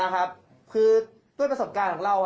คือด้วยประสบการณ์ของเรา